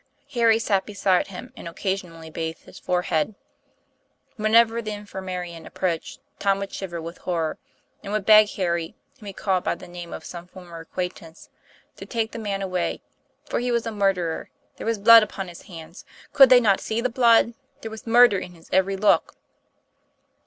Harry sat beside him and occasionally bathed his forehead. Whenever the infirmarian approached, Tom would shiver with horror, and would beg Harry, whom he called by the name of some former acquaintance, to take that man away, for he was a murderer, there was blood upon his hands, could they not see the blood? there was murder in his every look.